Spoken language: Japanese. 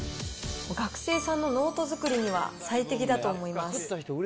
学生さんのノート作りには最適だと思います。